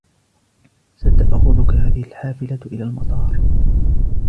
ستأخذك هذه الحافلة إلى المطار.